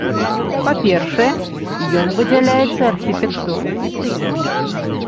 Па-першае, ён выдзяляецца архітэктурным стылем.